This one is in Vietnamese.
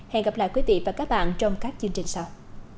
hẹn gặp lại quý vị và các bạn trong các chương trình sau